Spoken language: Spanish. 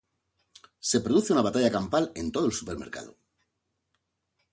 Se produce una batalla campal en todo el supermercado.